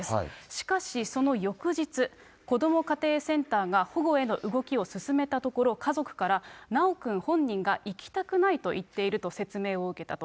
しかし、その翌日、こども家庭センターが保護への動きを勧めたところ、家族から修くん本人が行きたくないと言っていると説明を受けたと。